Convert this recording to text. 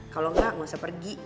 kalo engga ga usah pergi